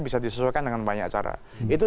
bisa disesuaikan dengan banyak cara itu